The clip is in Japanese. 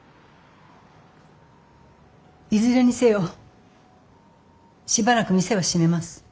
いずれにせよしばらく店は閉めます。